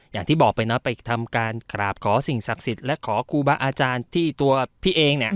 อย่างที่บอกไปนะไปทำการกราบขอสิ่งศักดิ์สิทธิ์และขอครูบาอาจารย์ที่ตัวพี่เองเนี่ย